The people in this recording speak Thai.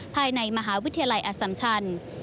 ภายในมหาวิทยาลัยอสัมชัน